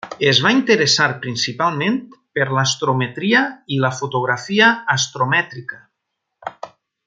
Es va interessar principalment per l'astrometria i la fotografia astromètrica.